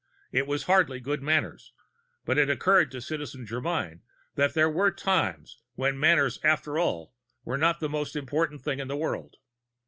It was hardly good manners, but it had occurred to Citizen Germyn that there were times when manners, after all, were not the most important thing in the world.